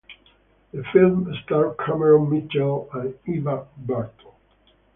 The film stars Cameron Mitchell and Eva Bartok.